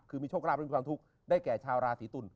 คือมีความทุกข์ได้แก่ชาวราศีตุล